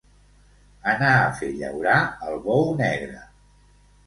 Anar a fer llaurar el bou negre.